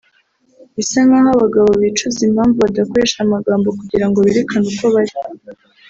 Bisa nkaho abagabo bicuza impamvu badakoresha amagambo kugira ngo berekane uko bari